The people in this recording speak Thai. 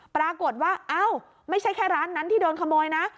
ปรากฏว่าเอ้าไม่ใช่แค่ร้านนั้นที่โดนขโมยนะ